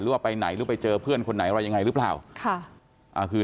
ว่าไปไหนหรือไปเจอเพื่อนคนไหนอะไรยังไงหรือเปล่าค่ะอ่าคือ